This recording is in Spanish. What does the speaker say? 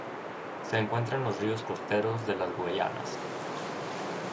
Se encuentra en los ríos costeros de las Guayanas.